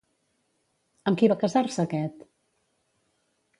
Amb qui va casar-se aquest?